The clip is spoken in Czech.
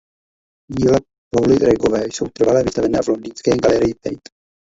Díla Pauly Regové jsou trvale vystavena v londýnské galerii Tate.